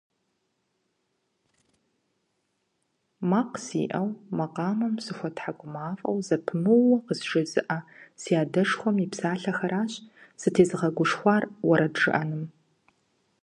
Макъ сиӀэу, макъамэм сыхуэтхьэкӀумафӀэу зэпымыууэ къызжезыӀэ си адэшхуэм и псалъэхэращ сытезыгъэгушхуар уэрэд жыӀэным.